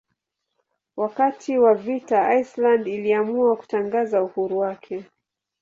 Wakati wa vita Iceland iliamua kutangaza uhuru wake.